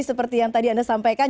seperti yang tadi anda sampaikan